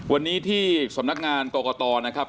วันนี้ที่สำนักงานกรกตนะครับ